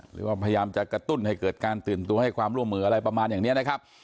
หรือว่าพยายามจะกระตุ้นให้เกิดการตื่นตัวให้ความร่วมมืออะไรประมาณอย่างนี้นะครับ